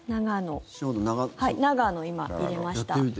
長野、今入れました。